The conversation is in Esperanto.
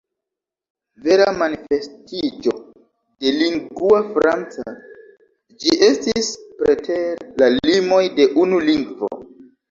Vera manifestiĝo de ”lingua franca” ĝi estis preter la limoj de unu lingvo.